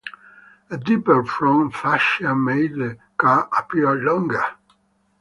A deeper front fascia made the car appear longer.